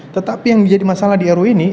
tetapi yang menjadi masalah di ru ini